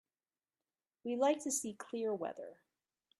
We like to see clear weather.